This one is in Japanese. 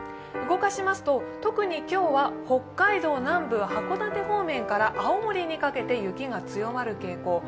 動かしますと、特に今日は北海道南部函館から青森にかけて雪が強まる傾向。